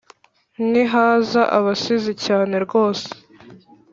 Nihaza abasizi cyane rwose